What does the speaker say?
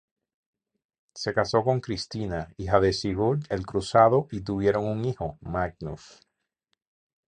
Se casó con Kristina, hija de Sigurd el Cruzado, y tuvieron un hijo, Magnus.